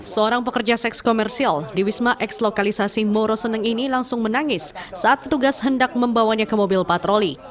seorang pekerja seks komersial di wisma eks lokalisasi moroseneng ini langsung menangis saat petugas hendak membawanya ke mobil patroli